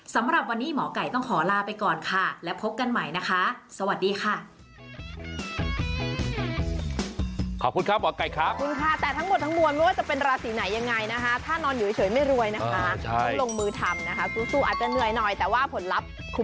สำหรับวันนี้หมอไก่ต้องขอลาไปก่อนค่ะและพบกันใหม่นะคะสวัสดีค่ะ